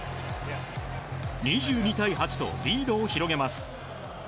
２２対８とリードを広げます。